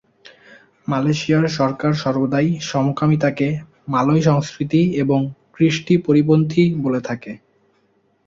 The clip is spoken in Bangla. মালয়েশিয়ার সরকার সর্বদাই সমকামিতাকে মালয় সংস্কৃতি এবং কৃষ্টি পরিপন্থী বলে থাকে।